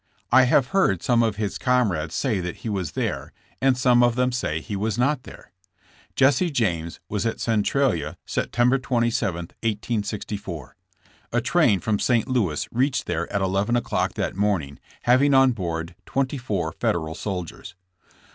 I have heard ^^lol some of his comrades say that he was there and some of them say he was not there. Jesse James was at Centralia, September 27, 1864. A train from St. Louis reached there at 11 o'clock that morning having on board twenty four Federal soldiers.